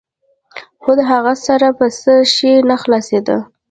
خو د هغه سر په څه شي نه خلاصېده.